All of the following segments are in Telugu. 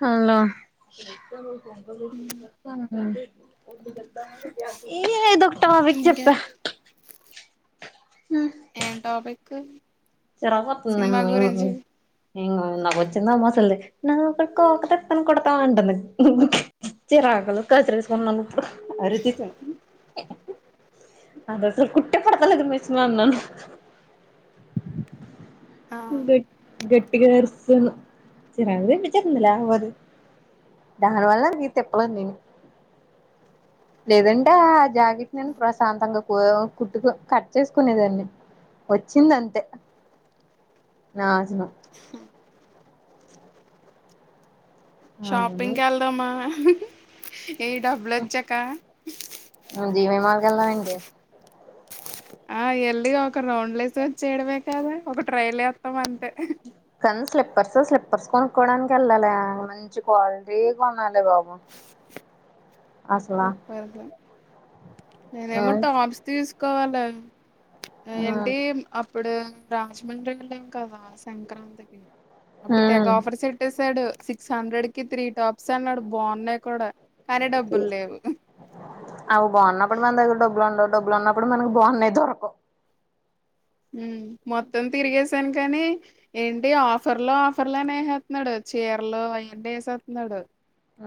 హలో ఏదొ ఒక తాపీక్ ఇంకా చెప్ప ఏం టాపిక్ చిరకొస్తుంది సినిమా గురించి ఇ నాకు వచ్చిందా మసలుది నా కోకటత్తను కొడక అంటంది ! ! ! ! ! ! ! ! ! ! ! ! అదస కుట్ట పడతాలదు మష్మా అన్నా ఆ గట్టిగా అరిసేస్తున్నాను చిరాకు తెపిస్తుంది లేకపోతే దానివల్ల ఇ తిప్పలు అన్నీ లేదంటే ఆ ఆ జాకెట్ నేను ప్రశాంతంగా కుట్టుకు కట్ చేసుకునేదాన్ని వచ్చింది అంతే నాశనం షాపింగ్కి వెళ్దామా ఇ డబ్బులు వచ్చాక్క జీవి మాల్ వెళ్దామెంటే ఆ ఎల్లిగా ఒక రౌండ్లేసి వచ్చేయడమే కాదా ఒక ట్రైల్ వేస్తాం అంతే కానీ స్లిప్పర్స్ స్లిప్పర్స్ కొనుక్కోవడానికి వెళ్ళాలి మంచి క్వాలిటీ కొనాలే బాబు అసలా స్లిప్పర్స్ నేనేమో మ్మ్ టాప్స్ తీసుకోవాలి ఏంటి అప్పుడు రాజమండ్రింలోం కదా సంక్రాంతికి అప్పుడు తెగ మ్మ్ ఆఫర్స్ పెట్టేసాడు సిక్స్ హండ్రెడ్ కి త్రీ టాప్స్ అన్నాడు బాగున్నాయి కూడా కానీ డబ్బులు లేవ్ అ అవి బాగున్నప్పుడు మన దగ్గర డబ్బులు ఉండవు డబ్బులు ఉన్నప్పుడు మనకి బాగున్నాయి దొరకవు మ్మ్ మోత్తం తిరిగేసీ స్తాను కానీ ఏంటి ఆఫర్ లో ఆఫర్ లోనే వేసేస్తున్నాడు చీర లు అంటి వేసేస్తున్నాడు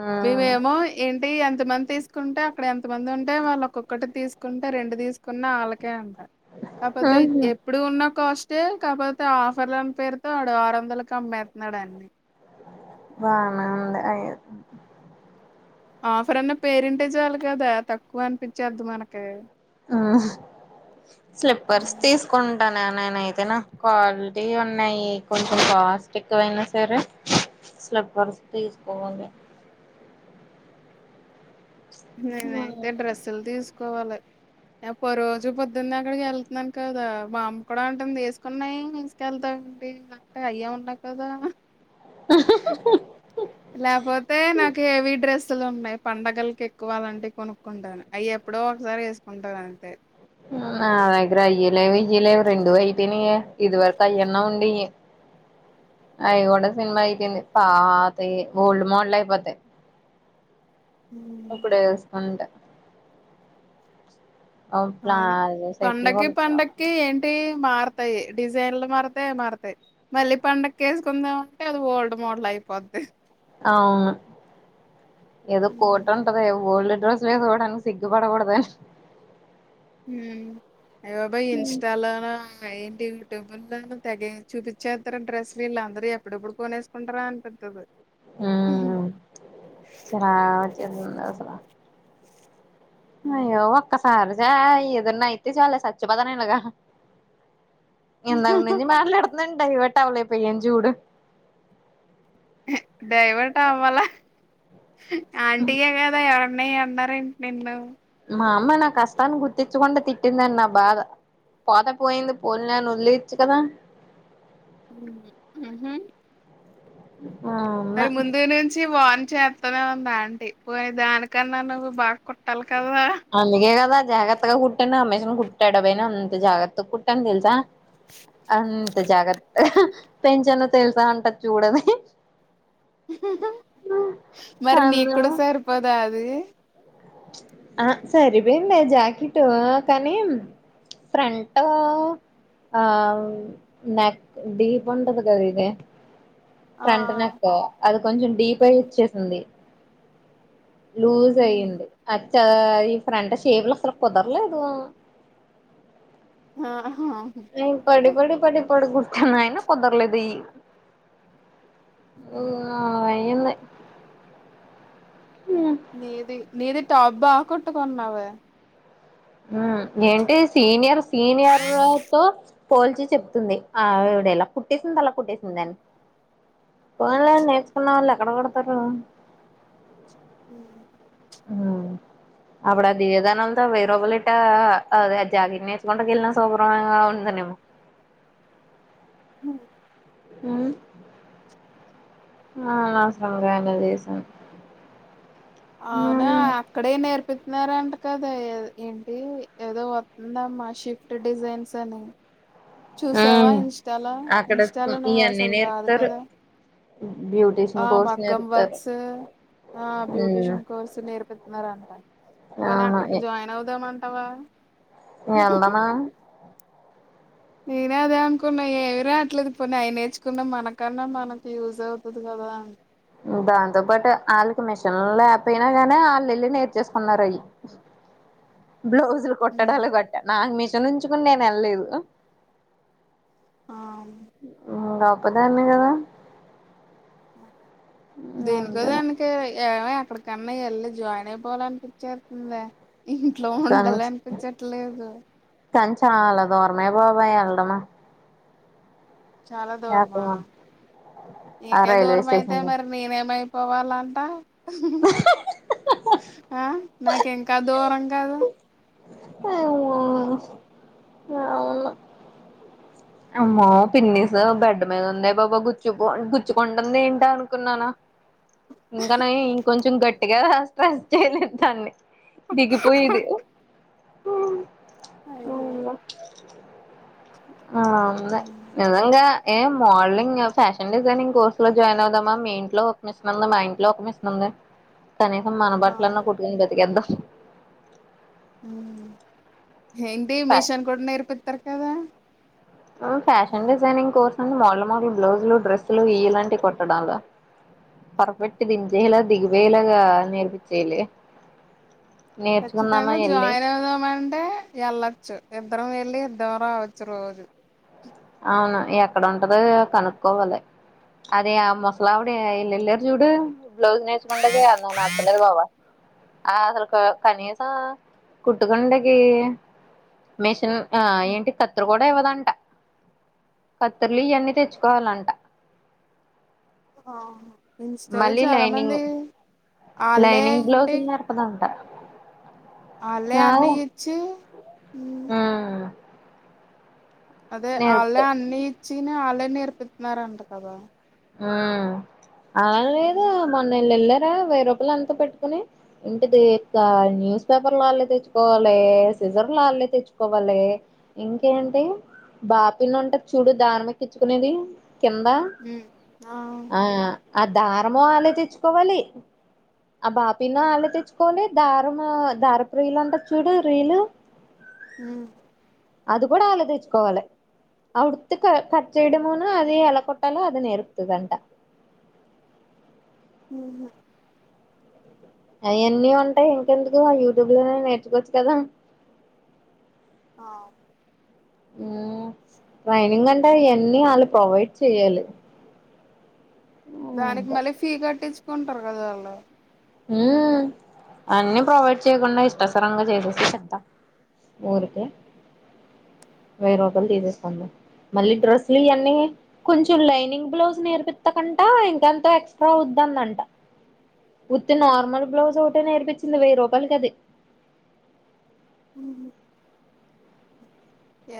మ్మ్ మేమేమో ఏంటి అంత ఎంతమంది తీసుకుంటే అక్కడ ఎంత మంది ఉంటే వాళ్ళు ఒక్కకటి తీసుకుంటే రెండు తీసుకు కున్న వాళ్ళకే అంట కాకపోతే మ్మ్ ఎప్పుడు ఉన్న కాస్ స్ట్ కాకపోతే ఆఫర్లని పేరుతో ఆడు ఆరు వందలకు అమ్మేతున్నాడు అన్ని బానా అంత అయి ఆఫర్ అన్న పేరింటే చాలు కదా తక్కువ అనిపించేద్దు మనకి హ్మ్ స్లిప్పర్స్ ఉమ్. తీసుకుంటాను అ నేన అయితే నా క్వాలిటీ ఉన్నాయి కొంచెం కాస్ట్ ఎక్కువైనా సరే స్లబర్స్ తీసుకోవాలి నేను అయితే మ్మ్ డ్రెస్సులు తీసుకోవాలి ఆ ప రోజు పొద్దున్న అక్కడికి కెళ్తున్నాను కదా బంమ్కూడా అంటుంది ఏసుకున్నాయి ఎసుకెళ్తా ఏంటి అంటే అయ్యే ఉన్నాయి కథ అహ్ ఆహాహా లేపోతే నాకు హెవీ డ్రెస్ స్తులు ఉన్నాయి పండగల్కి ఎక్కువాలంటే కొనుక్కుంటాను అవి ఎప్పుడో ఒకసారి యేసుకుంటను అంతే హ్మ్ నా దగ్గర అయ్యలేవు ఇయ్యలేవు రెండు అయిపోయినాయి ఇది వరకు అయ్యన్నా ఉండేవి అయి కూడా సినిమా అయిటింది పాతయి ఓల్డ్ మోడల్ అయిపోతాయి ఉమ్, కప్పుడు ఎసుకుంటా అవును పండకి పండకి ఏంటి మారతాయి డిజైన్లు మారతాయి మారతాయి మళ్ళీ పండక్కి ఎసుకుందామంటే అది ఓల్డ్ మోడల్ అయి అయిపోది అవును ఏదో ఉమ్. కోట ఉంటది ఓల్డ్ డ్రెస్ వేసుకోవడానికి సిగ్గుపడకూడదు హ్మ్ అయి బాబోయ్ ఇన్స్టలోనా టబుల్ తెగ చూపించే తరు డ్రస్లు వీళ్ళ అందరుూ ఎప్పుడెప్పుడు కొనేస్కుంటారా అనిపింటది హ్మ్మ్ చాల వచ్చేసింది అసల అవును. అయ్యో అక్క [unintelligible] ఏదన్నా అయితే సాలు చచ్చి పోతేనెనిగ ఇందక్నుంచి మాట్లాడుతున్నాను డైవర్ట్ అవ్వలేకపోయాను జూడు డైవర్ట్ అవ్వల ఆంటీ ఏ గద మే అన్నార ఏంటి నిన్ను మా అమ్మ నా కష్టాన్ని గుర్తించకుండ తిట్టిందని నా బాధ పోత పోయింది పోనిలే అని ఒదిలేయచు కదా హ్మ్మ్ ఆ అమ్మ మరి ముందు నుంచి వాన్ చేతూనే ఉంది ఆంటీ పోని దానికన్నా నువ్వు బాగ కొట్టల్ అందుకే గద జగతగా కుట్టాను ఆమే కుట్టాడ పోయిన అంత జాగత్త కుట్టను తెలుసా అంత జాగ్రత్తగా పెంచను తెలుసా అంట చూడది మరి అన్నా నీకుడ సరిపోదా అది ఆ సరిపోయిందే జాకీటు కని ఫ్రంటూ ఆ నక్ డిప్ ఉండదు కదా ఇది ఆ ఫ్రంట్ ఆ నెక్ అది కొంచెం డీప్ అయి హ్మ్. ఇచ్చేసింది లూజ్ హ్మ్. అయ్యింది అచ్చ ఈ ఫ్రంట్ షేప్ లో అసలు కుదర్లేదు హ్మ్మ్ ఆహా. అయి పడి పడి పడి పడి కుర్తాను అయినా కుదరలేదు అ నిన్నే నీది టాప్ బా కుట్టు కున్నావే ఆ ఏంటి సీనియర్ సీనియర్లతో పోల్చి చెప్తుంది ఆ [unintelligible] కుట్టేసింది అలా కుట్టేసిందని పోన్లే నేర్చుకున్న వాళ్ళు ఎక్కడ కుడతారు హు హ అప్పుడు ఆ దివదానంతో వేరపాలి ఇట్ట అద జాగిర్ నేర్చుకుంటూకిళ్ళిన శుభ్రంగా ఉ హ్మ్మ్ అహ్మ్మ్ ఆ [unintelligible] అవునా అక్కడే నేర్పితున్నారంట కదా ఏద్ ఏంటీ ఏదో వత్తుందమ్మా షిఫ్ట్ డిజైన్స్ అని చూసావ ఉమ్ ఇంస్టాలో అక్కడ ఇంస్టాలో నువ్వు ఇవన్నీ అసలు రాదు నేర్పుతారు కదా ఆ బ్యూటీషియన్ కోర్స్ మగ్గం నేర్పుతారు వర్క్స్ ఆ ఉమ్ బ్యూటీషియన్ కోర్సు నేర్పితున్నారంట పోనీ అవును అక్కడికి జాయిన్ అవుదామ అవ ఎండన నేను అదే అనుకున్నా ఏమి రావట్లేదు పోని అయి నేర్చుకున్నా మనకన్నా మనకి యూజ్ అవుతది క [unintelligible] దాంతోపాటు ఆళ్ళకి మిషన్ లేకపోయినా కానీ ఆళ్ళు వెళ్ళి నేర్చేసుకున్నారు అవి [inaudible] బ్లౌజులు కుట్టడాలు గట్ట నాకు మిషిన్ ఉంచుకుని నేను వెళ్లేదు ఆ ఒకదాన్నే కదా దేనికో అంతేగా దానికి ఏమే ఇప్పుడు కన్నా ఎళ్ళి జాయిన్ అయిపోవాలనిపిచ్చేత్తుందే ఇంట్లో ఉండాలి అనిపించట్లేదు కాని చాలా దూరమే బాబు ఎల్లడం చాలా దూరమా ఆ నీకే రైల్వే దూరం అయితే స్టేషన్ మరి నేనేమై పోవాలంట ఆ నాకు ఇంకా దూరం కదు ఏమో అవును అమ్మో పిన్నీసు బెడ్ మీద ఉందే బాబు గుచ్చుకుం గుచ్చుకుంటుంది ఏంటా అనుకున్నాను. ఇంక నయం ఇంకొంచెం గట్టిగా ప్రెస్స్ చేయలేదు దాన్ని దిగికిపోయేది అయ్యో ఆ ఉంది నిజంగా ఏ మోడలింగ్ ఫ్యాషన్ డిజైనింగ్ కోర్సు లో జాయిన్ అవుదామా మీ ఇంట్లో ఒక మిషన్ ఉంది మా ఇంట్లో ఒక మిషన్ ఉంది. కనీసం మన ఆ బట్లన్న కుట్టుకొని బతికేద్దాం ఏంటీ మీషన్ కూడా నేర్పిత్తరు కదా ఆ ఫ్యాషన్ డిజైనింగ్ కోర్స్ కానీ మోడల్ మోడల్ బ్లౌజులు డ్రెస్సులు ఇలాంటి కుట్టడాలు పర్ఫెక్ట్ దించేలా దిగిపోయేలాగా నేర్పిచ్చేయలి. ఖచ్చితంగా జాయిన్ అవుదామంటే వెళ్ళొచ్చు ఇద్దరం ఎ ఎళ్ళి ఇద్దాం రావచ్చు రోజు అవును ఎక్కడ ఉంటదో కనుక్కోవాలి అదే ఆ మొసలి ఆవిడ ఎల్లెల్లారు చూడు బ్లౌస్ నేర్చుకుండాకి అది నాకు నచ్చలేదు బాబ ఆ అసలు క కనీసం కుట్టుకుండకి మేషన్ ఆ ఏంటి కత్తెర కూడా ఇవ్వదంట కత్తర్లు ఇయన్నీ తెచ్చుకోవాలంట ఆ ఇంస్టాలో మళ్ళీ చాలా మంది లైనింగ్ వాళ్ళే లైనింగ్ బ్లౌజులు ఏంటి నేర్పదంట ఆళ్ళే కాదు అన్నీ ఇచ్చి ఉమ్ ఊ అదే ఆళ్ళే అన్నీ ఇచ్చీను ఆళ్ళే నేర్పితున్నారంట కదా ఆ అలా లేదు ఉమ్ మొన్న ఇళ్ళు ఎళ్ళారు వెయ్యి రూపాయలు ఎంట పెట్టుకుని ఇంటిది ఇక న్యూస్ పేపర్లు వాళ్ళే తెచ్చుకోవాలి. సిజర్లు ఆళ్ళే తెచ్చుకోవాలే ఇంకేంటి బాపిన్ను ఉంటది చూడు దారం ఎక్కిచ్చుకునేది కింద ఆ ఆ ఆ దారమూ ఆళ్ళే తెచ్చుకోవాలి ఆ బాపిన్ను ఆళ్ళే తెచ్చుకోవాలి దారమూ దారపు రీలు అంటారు చూడు రీలు. ఉమ్ అది కూడా ఆళ్ళే తెచ్చుకోవాలి అప్పుడు క కట్చేయడమును అది ఎలా కొట్టలో అది నేర్పుతుదంట. ఉ అయన్నీ ఉంటాయి ఇంకెందుకు యూట్యూబ్ లోనే నేర్చుకోవచ్చు కదా అ ఊ ట్రైనింగ్ అంటే అయన్ని ఆళ్ ప్రొవైడ్ చెయాలి. దానికి మళ్ళీ ఫీ కట్టించుకుంటారు కదా ఆళ్ళు ఊ అన్ని ప్రొవైడ్ చేయకుండా ఇస్ దసరంగా సరంగ చేసేసి చెప్తా ఊరికే వెయ్యి రూపాయల తీసేసుకుంది మళ్ళీ డ్రెస్లు ఇయన్నీ కొంచెం లైనింగ్ బ్లౌజ్ నేర్పిత్త కంట ఇంకెంత ఎక్స్ట్రా అవు దంట ఉత్తి నార్మల్ బ్లౌజ్ ఓటే నేర్పించింది వెయ్యి రూపాయలకది.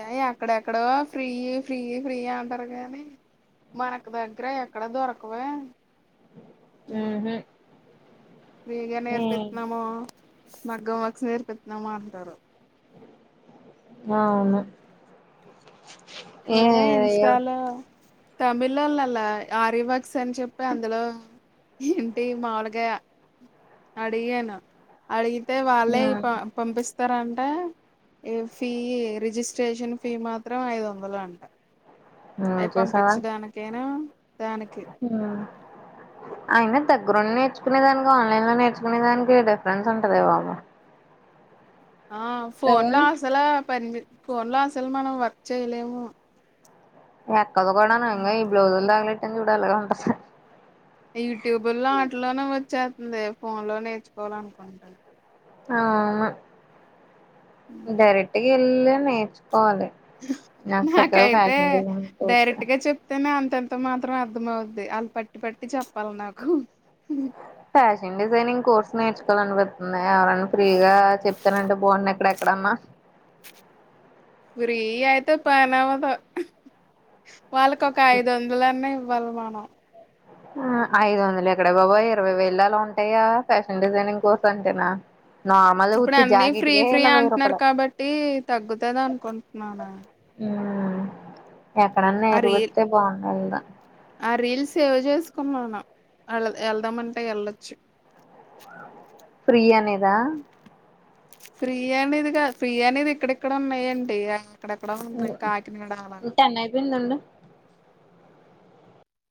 ఏ ఎక్కడెక్కడో ఫ్రీయి ఫ్రీయి ఫ్రీయి అంటారు గానీ. మనకు దగ్గర ఎక్కడ దొరకవే ఊహు ఫ్రీగా నేర్పిత్నామూ మగ్గం వక్స్ నేర్పిత్నామాంటారు హ అవును ఏ నేనే ఇస్తా అయ్యో లో తమిళోళ్ళలా ఆరి వక్స్ అని చెప్పి అందులో మాముగయ అడిగాను అడిగితే వాళ్ళే మ్మ్ పంపిస్తారంటే ఏ ఫీయీ రిజిస్ట్రేషన్ ఫీ మాత్రం ఐదువందల అంట మ్మ్ అయి చూసావా పంపిచ్చడాానికైనా [unintelligible] అయినా దగ్గరుండి నేర్చుకునే దానికా ఆన్లైన్ లో నేర్చుకునే దానికి డిఫరెన్స్ ఉంటదే బాబు ఆ ఫోన్ కదా లో అసలు ఆ పని ఫోన్ లో అసలు మనం వర్క్ చేయలేము నెక్కులు కూడాను ఇంగో ఈ బ్లౌజ్ ల్ తాగలిెట్టాన్ చూడలగే ఉంటది యూట్యూబుల్లో ఆటిలోనూ వచ్చేత్తంది ఫోన్ లో నేర్చుకోవాలనుకుంట్నాను ఆ అమ్ అ డైరెక్ట్ గెల్లి నేర్చు నాకు చక్కగా నాకైతే ఫ్యాషన్ డిజైన్ తెలుసు కదా ఇంత మాత్రమే అర్థమవుద్ది ఆళ్ పట్టి పట్టి చెప్పాల్నాకు హ్ ఫ్యాషన్ డిజైనింగ్ కోర్స్ నేర్చుక్ అనిపిత్నాయా ఎవరైనా ఫ్రీగా చెప్తనంటే బావుండ్నా ఇక్కడెక్కడన్నా ఫ్రీ అయితే పనవదు హ్ హ వాళ్ళకొక ఐదొందలన్నా ఇవ్ వమానం ఆఐదొందలెక్కడ బాబోయ్ ఇరవై వేయిల్లలా ఉంటాయా ఫ్యాషన్ డిజైనింగ్ కోర్సంటేనా ఇప్పుడు అన్నీ ఫ్రీ ఫ్రీ వెయ్యి అంట్నారు రూపాయలు కాబట్టి తగ్గుతద నుకుంట్నాను ఉమ్ ఎక్కడన్నా నిరూపిస్తే బాగుండు రీల్సేవ్ చేసుకున్నావ్ నువ్ వెళ్దాం అంతే ఎళ్ళొచ్చు ఫ్రీ యనేదా ఫ్రీ అందే ఫ్రీ యనేదిక్కడిక్కడ ఉన్నాయేంటి ఆ అక్కడెక్కడో ఉన్నాయి కాకినాడా అలాగ టెన్ అయిపోయిందండు